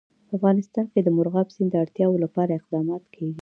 په افغانستان کې د مورغاب سیند د اړتیاوو لپاره اقدامات کېږي.